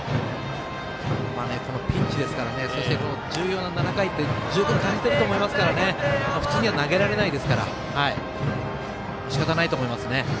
このピンチですから重要な７回と十分、感じてると思いますから普通には投げられないですからしかたないと思いますね。